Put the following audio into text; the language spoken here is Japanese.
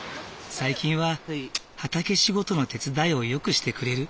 最近は畑仕事の手伝いをよくしてくれる。